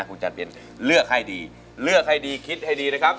คุณจันเพ็ญเลือกให้ดีเลือกให้ดีคิดให้ดีนะครับ